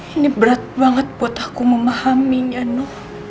ini berat banget buat aku memahaminya no